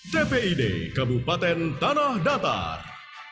dpi dekabupaten tanah datar